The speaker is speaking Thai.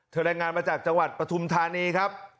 รายงานมาจากจังหวัดปฐุมธานีครับ